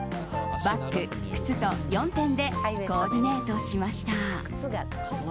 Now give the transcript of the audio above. バッグ、靴と４点でコーディネートしました。